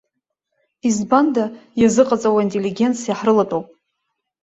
Избанда, иазыҟаҵоу аинтеллигенциа ҳрылатәоуп.